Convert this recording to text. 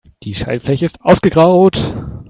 Die Schaltfläche ist ausgegraut.